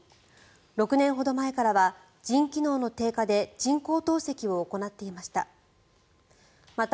６年ほど前からは腎機能の低下で人工透析を行っていました。